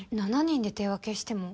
７人で手分けしても。